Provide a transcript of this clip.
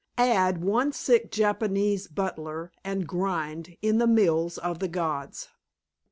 Add one sick Japanese butler and grind in the mills of the gods.